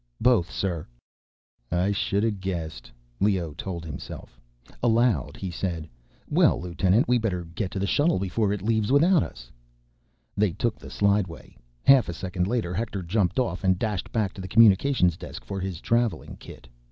"Both, sir." I should have guessed, Leoh told himself. Aloud, he said, "Well, lieutenant, we'd better get to the shuttle before it leaves without us." They took to the slideway. Half a second later, Hector jumped off and dashed back to the communications desk for his traveling kit.